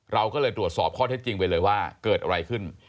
เราก็เลยตรวจสอบข้อเท็จจริงไปเลยว่าเกิดอะไรขึ้น